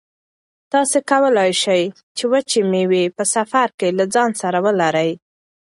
تاسو کولای شئ چې وچې مېوې په سفر کې له ځان سره ولرئ.